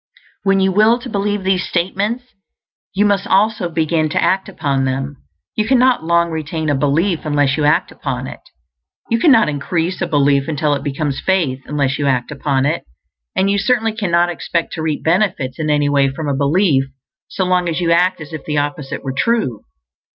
_ When you will to believe these statements, you must also begin to act upon them. You cannot long retain a belief unless you act upon it; you cannot increase a belief until it becomes faith unless you act upon it; and you certainly cannot expect to reap benefits in any way from a belief so long as you act as if the opposite were true.